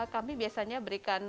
kami biasanya berikan